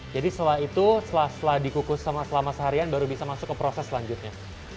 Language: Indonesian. jadi setelah itu setelah dikukus selama selama seharian baru bisa masuk ke proses selanjutnya